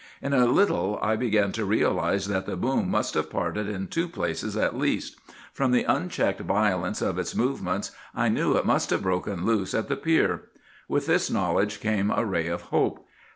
"In a little I began to realize that the boom must have parted in two places at least. From the unchecked violence of its movements I knew it must have broken loose at the pier. With this knowledge came a ray of hope.